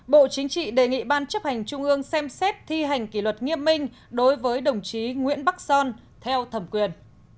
bộ chính trị đề nghị ban chấp hành trung ương xem xét thi hành kỷ luật nghiêm minh đối với đồng chí nguyễn bắc son theo thẩm quyền